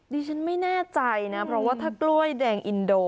ดิฉันไม่แน่ใจนะเพราะว่าถ้ากล้วยแดงอินโด